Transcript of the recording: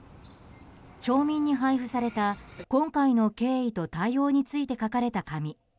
町民に配布された今回の経緯と対応について書かれた紙。